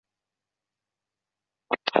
他是前白礼顿球员及领队的哥哥。